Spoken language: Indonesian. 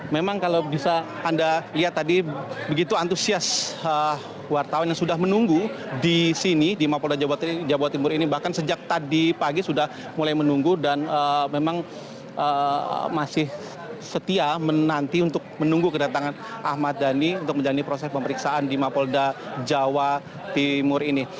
memang kalau bisa anda lihat tadi begitu antusias wartawan yang sudah menunggu di sini di mapolda jawa timur ini bahkan sejak tadi pagi sudah mulai menunggu dan memang masih setia menanti untuk menunggu kedatangan ahmad dhani untuk menjalani proses pemeriksaan di mapolda jawa timur ini